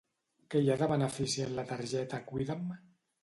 Què hi ha de benefici en fer la targeta Cuida'm?